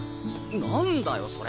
何だよそれ！